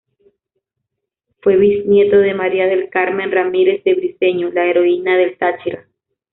Fue bisnieto de María del Carmen Ramírez de Briceño, la heroína del Táchira.